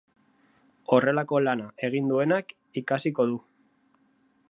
Horrelako lana egin duenak ikasiko du.